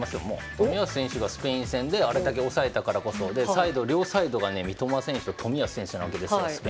冨安選手が、スペイン戦であれだけ抑えたからこそ両サイドが、スペイン戦では三笘選手と冨安選手なので。